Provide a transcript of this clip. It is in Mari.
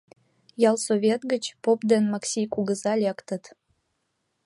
Ялсовет гыч поп ден Максий кугыза лектыт.